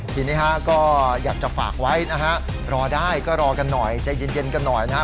ทีนี้ฮะก็อยากจะฝากไว้นะฮะรอได้ก็รอกันหน่อยใจเย็นกันหน่อยนะฮะ